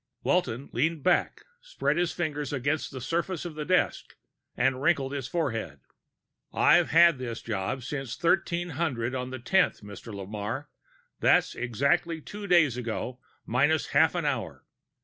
Walton leaned back, spread his fingers against the surface of the desk, and wrinkled his forehead. "I've had this job since 1300 on the tenth, Mr. Lamarre. That's exactly two days ago, minus half an hour.